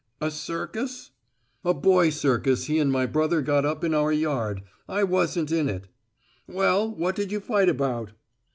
"A circus?" "A boy circus he and my brother got up in our yard. I wasn't in it." "Well, what did you fight about?"